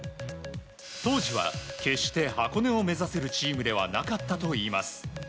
当時は決して箱根を目指せるチームではなかったといいます。